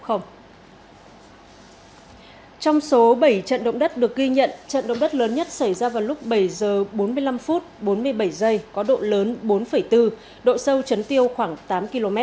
trong số bảy trận động đất được ghi nhận trận động đất lớn nhất xảy ra vào lúc bảy h bốn mươi năm phút bốn mươi bảy giây có độ lớn bốn bốn độ sâu chấn tiêu khoảng tám km